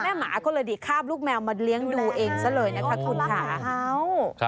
หมาก็เลยดีคาบลูกแมวมาเลี้ยงดูเองซะเลยนะคะคุณค่ะ